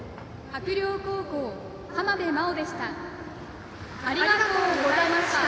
白陵高校、浜辺真緒でした。